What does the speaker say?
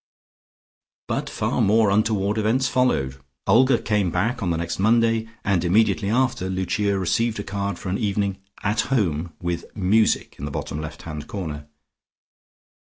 But far more untoward events followed. Olga came back on the next Monday, and immediately after Lucia received a card for an evening "At Home," with "Music" in the bottom left hand corner.